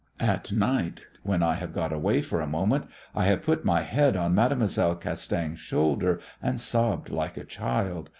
At night when I have got away for a moment I have put my head on Mademoiselle Castaing's shoulder and sobbed like a child.